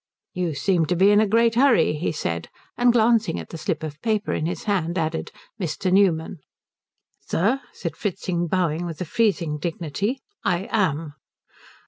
"You seem to be in a great hurry," he said; and glancing at the slip of paper in his hand added, "Mr. Newman." "Sir," said Fritzing, bowing with a freezing dignity, "I am."